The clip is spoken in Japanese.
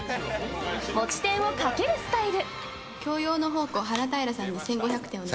持ち点を賭けるスタイル。